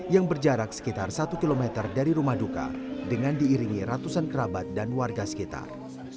yang berjarak sekitar satu km dari rumah duka dengan diiringi ratusan kerabat dan warga sekitar